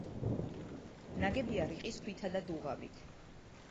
ნაგებია რიყის ქვითა და დუღაბით.